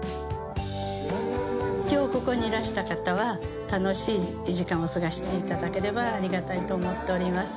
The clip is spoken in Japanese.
今日ここにいらした方は楽しい時間を過ごして頂ければありがたいと思っております。